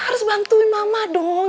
harus bantuin mama dong